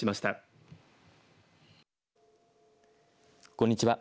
こんにちは。